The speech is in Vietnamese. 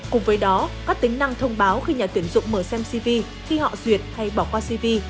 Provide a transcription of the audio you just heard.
cùng với đó các tính năng thông báo khi nhà tuyển dụng mở xem cv khi họ duyệt hay bỏ qua cv